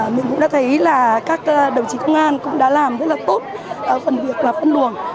mình cũng đã thấy là các đồng chí công an cũng đã làm rất là tốt phần việc là phân luồng